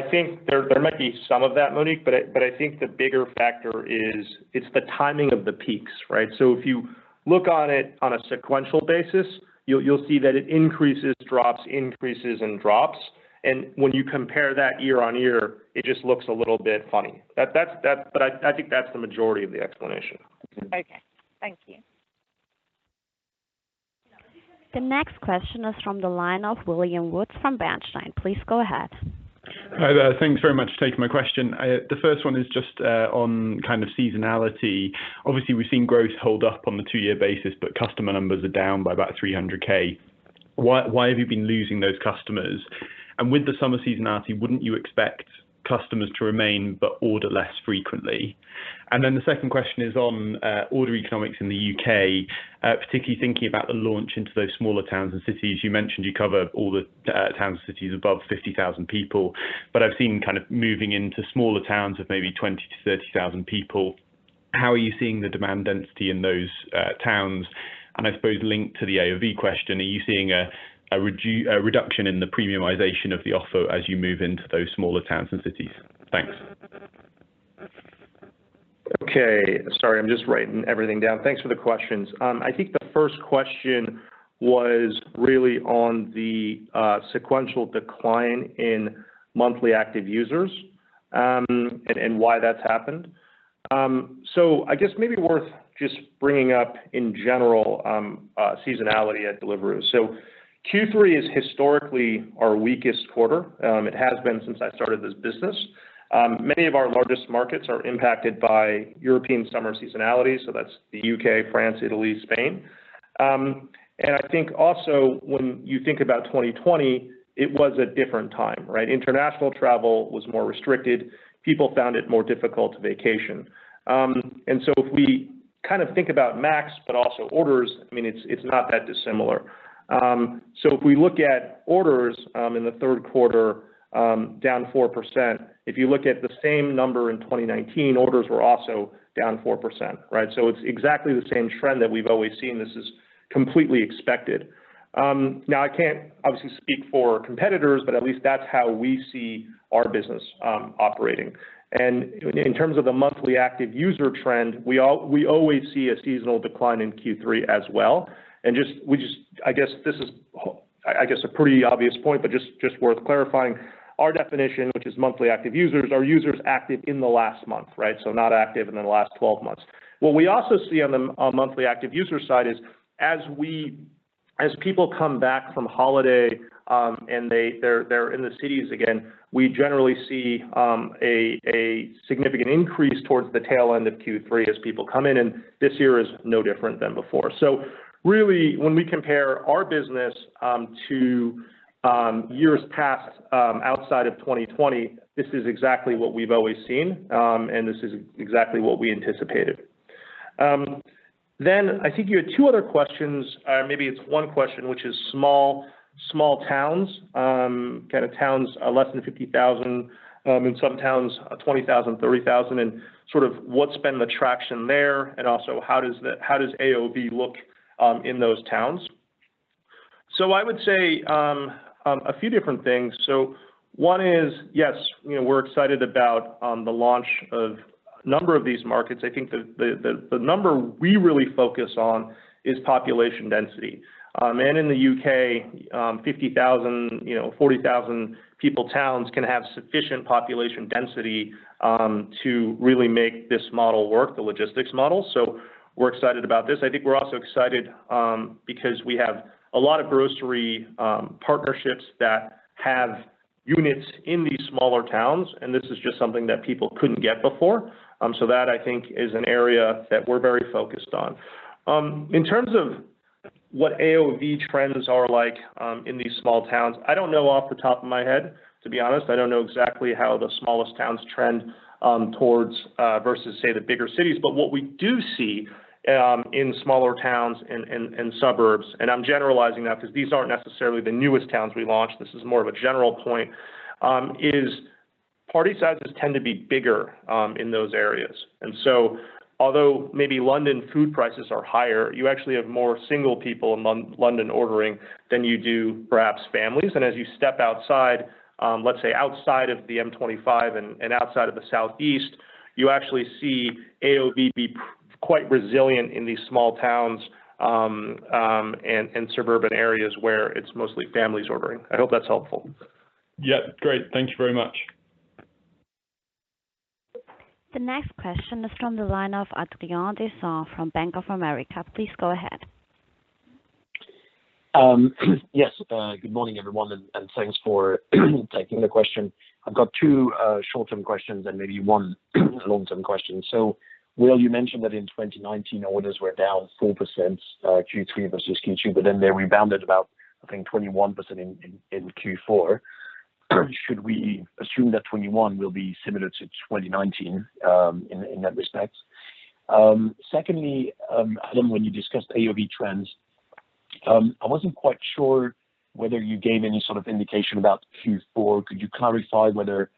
think there might be some of that, Monique, but I think the bigger factor is the timing of the peaks. If you look on it on a sequential basis, you'll see that it increases, drops, increases and drops. When you compare that year-over-year, it just looks a little bit funny. I think that's the majority of the explanation. Okay. Thank you. The next question is from the line of William Woods from Bernstein. Please go ahead. Hi, there. Thanks very much for taking my question. The first one is on seasonality. Obviously, we've seen growth hold up on the two-year basis. Customer numbers are down by about 300K. Why have you been losing those customers? With the summer seasonality, wouldn't you expect customers to remain but order less frequently? Then the second question is on order economics in the U.K., particularly thinking about the launch into those smaller towns and cities. You mentioned you cover all the towns, cities above 50,000 people. I've seen moving into smaller towns of maybe 20,000 people-30,000 people. How are you seeing the demand density in those towns? I suppose linked to the AOV question, are you seeing a reduction in the premiumization of the offer as you move into those smaller towns and cities? Thanks. Okay. Sorry, I'm just writing everything down. Thanks for the questions. I think the first question was really on the sequential decline in monthly active users, and why that's happened. I guess maybe worth just bringing up in general seasonality at Deliveroo. Q3 is historically our weakest quarter. It has been since I started this business. Many of our largest markets are impacted by European summer seasonality, so that's the U.K., France, Italy, Spain. I think also when you think about 2020, it was a different time. International travel was more restricted. People found it more difficult to vacation. If we kind of think about MAUs, but also orders, it's not that dissimilar. If we look at orders in the third quarter, down 4%. If you look at the same number in 2019, orders were also down 4%. It's exactly the same trend that we've always seen. This is completely expected. I can't obviously speak for competitors, but at least that's how we see our business operating. In terms of the monthly active user trend, we always see a seasonal decline in Q3 as well, I guess this is a pretty obvious point, but just worth clarifying. Our definition, which is monthly active users, are users active in the last month, right? Not active in the last 12 months. What we also see on the monthly active user side is as people come back from holiday, and they're in the cities again, we generally see a significant increase towards the tail end of Q3 as people come in, and this year is no different than before. Really, when we compare our business to years past, outside of 2020, this is exactly what we've always seen, and this is exactly what we anticipated. I think you had two other questions, or maybe it's one question, which is small towns, kind of towns less than 50,000, and some towns 20,000, 30,000, and sort of what's been the traction there? Also how does AOV look in those towns? I would say a few different things. One is, yes, we're excited about the launch of a number of these markets. I think the number we really focus on is population density. In the U.K. 50,000, 40,000 people towns can have sufficient population density to really make this model work, the logistics model. We're excited about this. I think we're also excited because we have a lot of grocery partnerships that have units in these smaller towns, and this is just something that people couldn't get before. That I think is an area that we're very focused on. In terms of what AOV trends are like in these small towns, I don't know off the top of my head, to be honest. I don't know exactly how the smallest towns trend towards versus, say, the bigger cities. What we do see in smaller towns and suburbs, and I'm generalizing that because these aren't necessarily the newest towns we launched, this is more of a general point, is party sizes tend to be bigger in those areas. Although maybe London food prices are higher, you actually have more single people in London ordering than you do perhaps families. As you step outside, let's say outside of the M25 and outside of the Southeast, you actually see AOV be quite resilient in these small towns, and suburban areas where it's mostly families ordering. I hope that's helpful. Yeah, great. Thank you very much. The next question is from the line of Adrien de Saint Hilaire from Bank of America. Please go ahead. Good morning everyone, and thanks for taking the question. I've got two short-term questions and maybe one long-term question. Will, you mentioned that in 2019, orders were down 4% Q3 versus Q2, they rebounded about, I think 21% in Q4. Should we assume that 2021 will be similar to 2019 in that respect? Secondly, Adam, when you discussed AOV trends, I wasn't quite sure whether you gave any sort of indication about Q4. Could you clarify whether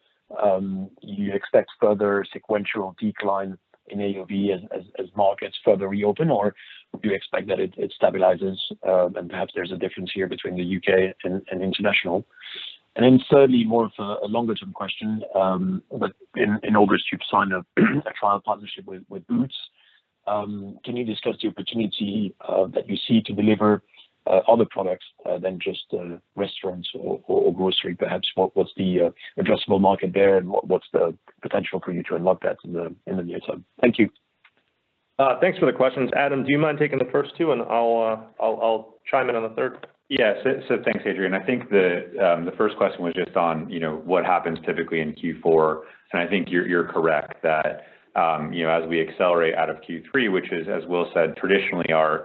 you expect further sequential decline in AOV as markets further reopen, or do you expect that it stabilizes? Perhaps there's a difference here between the U.K. and international. Thirdly, more of a longer-term question, in August, you've signed a trial partnership with Boots. Can you discuss the opportunity that you see to deliver other products than just restaurants or grocery perhaps? What's the addressable market there, and what's the potential for you to unlock that in the near term? Thank you. Thanks for the questions. Adam, do you mind taking the first two, and I'll chime in on the third? Yeah. Thanks, Adrien. I think the first question was just on what happens typically in Q4. I think you're correct that as we accelerate out of Q3, which is, as Will said, traditionally our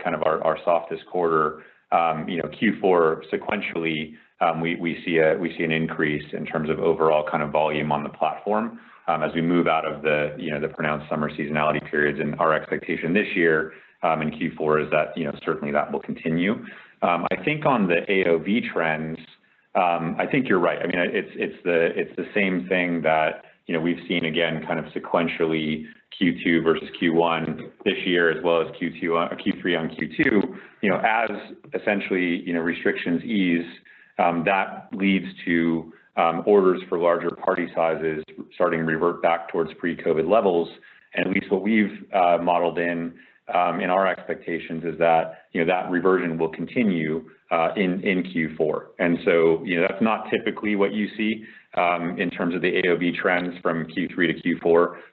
softest quarter. Q4 sequentially, we see an increase in terms of overall volume on the platform as we move out of the pronounced summer seasonality periods, and our expectation this year in Q4 is that certainly that will continue. I think on the AOV trends, I think you're right. It's the same thing that we've seen again, kind of sequentially Q2 versus Q1 this year, as well as Q3 on Q2. As essentially restrictions ease, that leads to orders for larger party sizes starting to revert back towards pre-COVID levels. At least what we've modeled in in our expectations is that that reversion will continue in Q4. That's not typically what you see in terms of the AOV trends from Q3-Q4.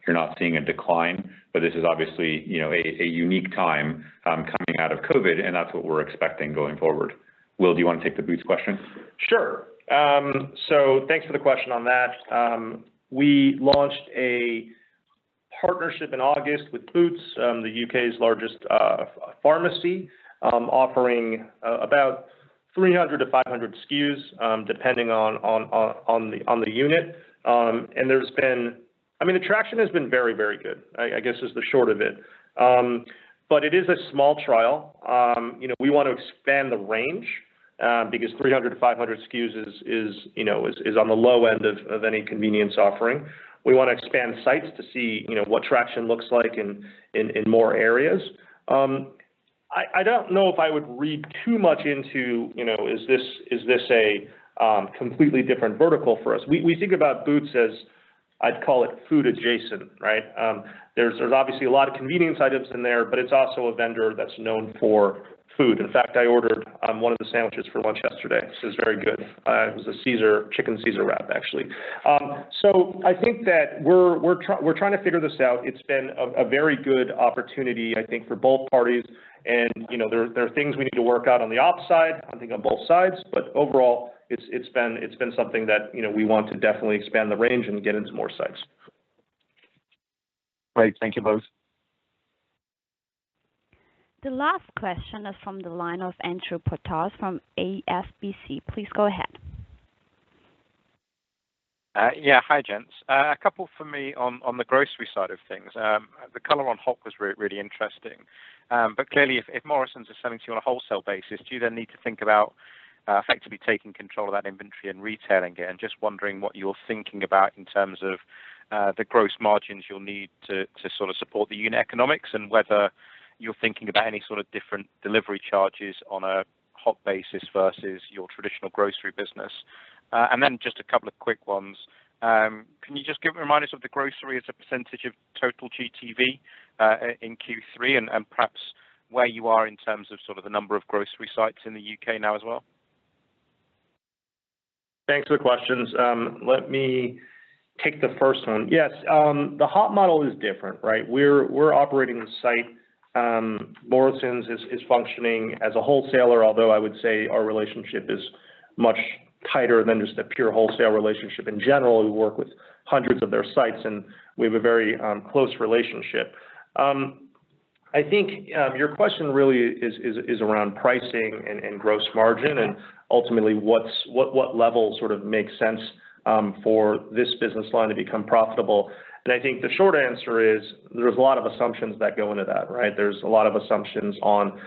You're not seeing a decline. This is obviously a unique time coming out of COVID, and that's what we're expecting going forward. Will, do you want to take the Boots question? Thanks for the question on that. We launched a partnership in August with Boots, the U.K.'s largest pharmacy, offering about 300 SKUs-500 SKUs, depending on the unit. The traction has been very good, I guess is the short of it. But it is a small trial. We want to expand the range, because 300 SKUs-500 SKUs is on the low end of any convenience offering. We want to expand sites to see what traction looks like in more areas. I don't know if I would read too much into is this a completely different vertical for us. We think about Boots as I'd call it food adjacent. There's obviously a lot of convenience items in there, but it's also a vendor that's known for food. In fact, I ordered one of the sandwiches for lunch yesterday. This was very good. It was a chicken Caesar wrap, actually. I think that we're trying to figure this out. It's been a very good opportunity, I think, for both parties, and there are things we need to work out on the ops side, I think on both sides. Overall, it's been something that we want to definitely expand the range and get into more sites. Great. Thank you both. The last question is from the line of Andrew Porteous from HSBC. Please go ahead. Yeah. Hi, gents. A couple for me on the grocery side of things. The color on HOP was really interesting. Clearly if Morrisons are selling to you on a wholesale basis, do you then need to think about effectively taking control of that inventory and retailing it? Just wondering what you are thinking about in terms of the gross margins you'll need to sort of support the unit economics, and whether you're thinking about any sort of different delivery charges on a HOP basis versus your traditional grocery business. Then just a couple of quick ones. Can you just remind us of the grocery as a percentage of total GTV in Q3, and perhaps where you are in terms of sort of the number of grocery sites in the U.K. now as well? Thanks for the questions. Let me take the first one. Yes. The HOP model is different. We're operating the site. Morrisons is functioning as a wholesaler, although I would say our relationship is much tighter than just a pure wholesale relationship. In general, we work with hundreds of their sites, and we have a very close relationship. I think your question really is around pricing and gross margin, ultimately what level sort of makes sense for this business line to become profitable. I think the short answer is there's a lot of assumptions that go into that. There's a lot of assumptions on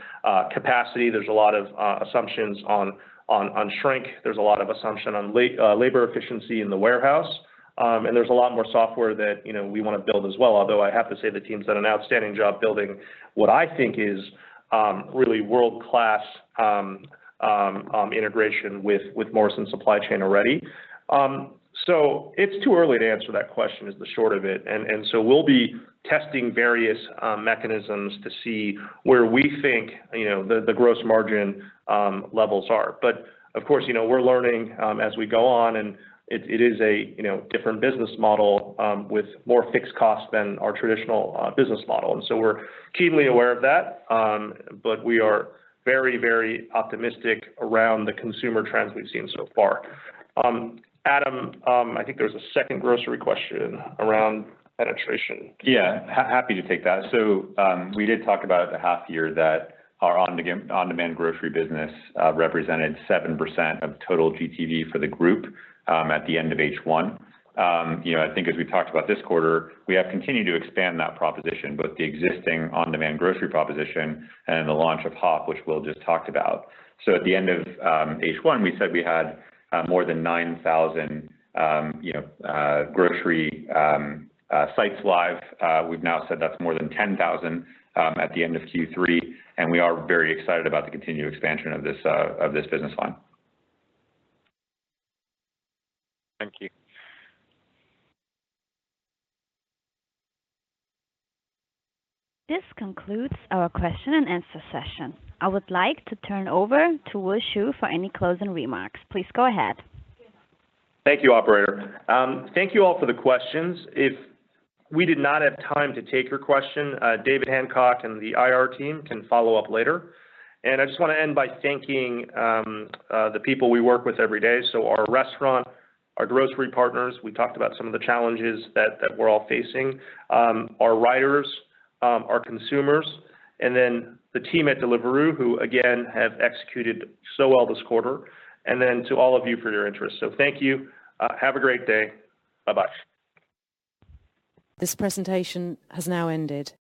capacity, there's a lot of assumptions on shrink, there's a lot of assumption on labor efficiency in the warehouse. There's a lot more software that we want to build as well. Although I have to say, the team's done an outstanding job building what I think is really world-class integration with Morrisons supply chain already. It's too early to answer that question is the short of it. We'll be testing various mechanisms to see where we think the gross margin levels are. Of course, we're learning as we go on, and it is a different business model, with more fixed costs than our traditional business model. We're keenly aware of that. We are very optimistic around the consumer trends we've seen so far. Adam, I think there was a second grocery question around penetration. Yeah. Happy to take that. We did talk about at the half year that our on-demand grocery business represented 7% of total GTV for the group at the end of H1. I think as we talked about this quarter, we have continued to expand that proposition, both the existing on-demand grocery proposition and the launch of HOP, which Will just talked about. At the end of H1, we said we had more than 9,000 grocery sites live. We've now said that's more than 10,000 at the end of Q3, and we are very excited about the continued expansion of this business line. Thank you. This concludes our question and answer session. I would like to turn over to Will Shu for any closing remarks. Please go ahead. Thank you, Operator. Thank you all for the questions. If we did not have time to take your question, David Hancock and the IR team can follow up later. I just want to end by thanking the people we work with every day, our restaurant, our grocery partners, we talked about some of the challenges that we're all facing. Our riders, our consumers, and then the team at Deliveroo, who again, have executed so well this quarter. To all of you for your interest. Thank you. Have a great day. Bye-bye. This presentation has now ended.